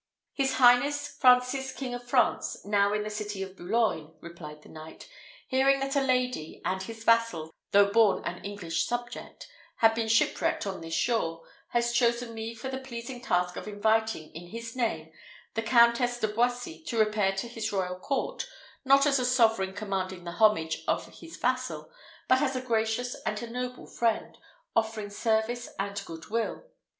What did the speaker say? "His highness Francis King of France, now in the city of Boulogne," replied the knight, "hearing that a lady, and his vassal, though born an English subject, had been shipwrecked on this shore, has chosen me for the pleasing task of inviting, in his name, the Countess de Boissy to repair to his royal court, not as a sovereign commanding the homage of his vassal, but as a gracious and a noble friend, offering service and good will.